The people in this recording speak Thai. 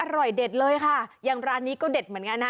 เด็ดเลยค่ะอย่างร้านนี้ก็เด็ดเหมือนกันนะ